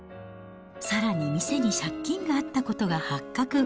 さらに店に借金があったことが発覚。